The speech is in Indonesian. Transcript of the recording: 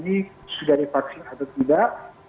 jadi sudah divaksin atau tidak